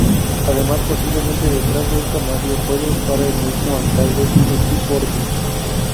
Además posiblemente detrás de esta mafia puede estar el mismo alcalde Steve Bordin.